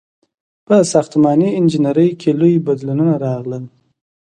• په ساختماني انجینرۍ کې لوی بدلونونه راغلل.